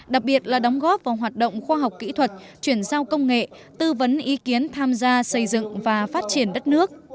đặc biệt là đóng góp vào hoạt động khoa học kỹ thuật chuyển giao công nghệ tư vấn ý kiến tham gia xây dựng và phát triển đất nước